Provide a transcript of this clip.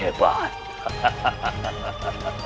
hebat hahaha terima kasih gue sayang biru jenai